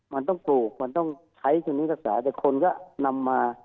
มันต้องปลูกมันต้องใช้ชนิดรักษาแต่คนก็นำมา